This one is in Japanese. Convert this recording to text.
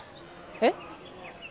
えっ？